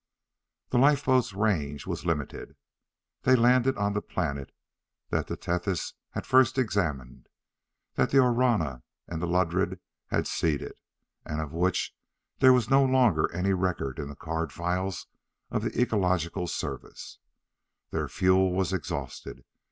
The lifeboats' range was limited. They landed on the planet that the Tethys had first examined, that the Orana and the Ludred had seeded, and of which there was no longer any record in the card files of the Ecological Service. Their fuel was exhausted.